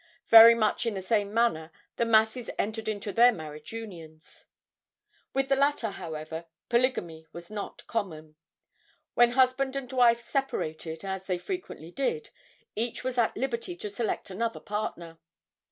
Very much in the same manner the masses entered into their marriage unions. With the latter, however, polygamy was not common. When husband and wife separated, as they frequently did, each was at liberty to select another partner.